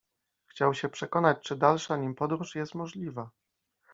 Chciał się przekonać, czy dalsza nim podróż jest możliwa.